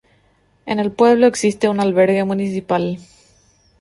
En el pueblo existe un albergue municipal.